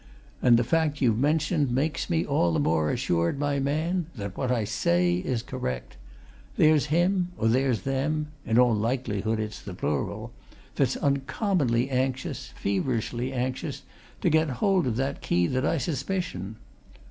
"And the fact you've mentioned makes me all the more assured, my man, that what I say is correct! There's him, or there's them in all likelihood it's the plural that's uncommonly anxious, feverishly anxious, to get hold of that key that I suspicion.